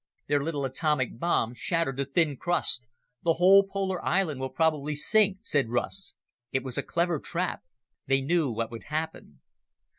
"Their little atomic bomb shattered the thin crust. The whole polar island will probably sink," said Russ. "It was a clever trap. They knew what would happen."